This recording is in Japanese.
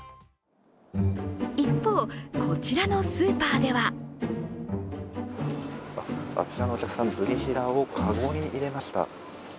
一方、こちらのスーパーではあちらのお客さん、ブリヒラを籠に入れました。